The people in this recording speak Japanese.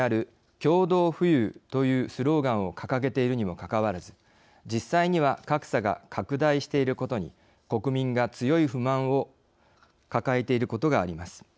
共同富裕というスローガンを掲げているにもかかわらず実際には格差が拡大していることに国民が強い不満を抱えていることがあります。